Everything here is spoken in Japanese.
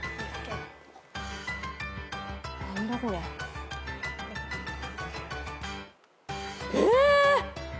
何だこれ。え！？